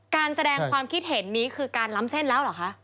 การแสดงความคิดเห็นนี้คือการล้ำเส้นแล้วเหรอคะ